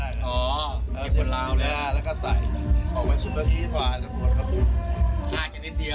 แล้วก็ใส่ออกมาชุดพระอีทฟ้าออกเมื่อพอล่ะครับทุกคน